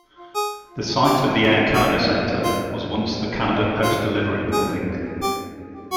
The site of the Air Canada Centre was once the Canada Post Delivery Building.